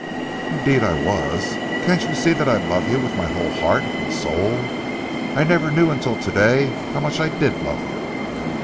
"Indeed I was. Can't you see that I love you with my whole heart and soul! I never knew until to day how much I did love you."